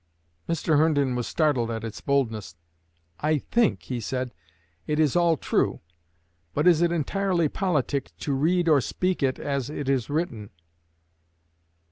Mr. Herndon was startled at its boldness. "I think," said he, "it is all true. But is it entirely politic to read or speak it as it is written?"